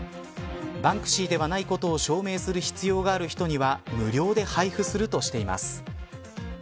バンクシーではないことを証明する必要がある人には無料で配布するとしています。